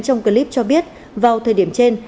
trong clip cho biết vào thời điểm trên